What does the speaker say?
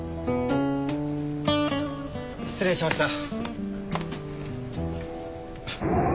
失礼しました。